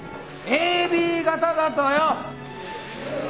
ＡＢ型だとよ。